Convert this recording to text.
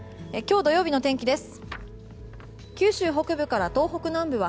明日日曜日の天気です。